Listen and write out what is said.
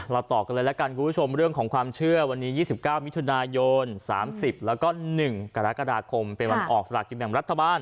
ต่อกันเลยละกันคุณผู้ชมเรื่องของความเชื่อวันนี้๒๙มิถุนายน๓๐แล้วก็๑กรกฎาคมเป็นวันออกสลากกินแบ่งรัฐบาล